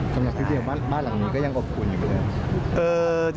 สำหรับพี่เวียร์คนนี้บ้านหลังนี้ยังอบอุ่นอยู่เป็นไง